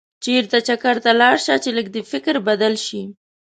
چېرته چکر ته لاړ شه چې لږ دې فکر بدل شي.